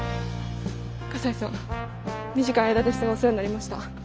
西さん短い間でしたがお世話になりました。